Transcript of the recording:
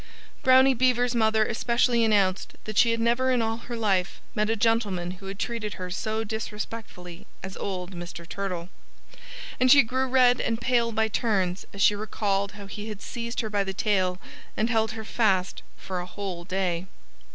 Brownie Beaver's mother especially announced that she had never in all her life met a gentleman who had treated her so disrespectfully as old Mr. Turtle. And she grew red and pale by turns as she recalled how he had seized her by the tail and held her fast for a whole day.